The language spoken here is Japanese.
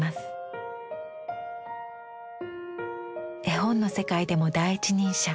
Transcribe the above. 絵本の世界でも第一人者。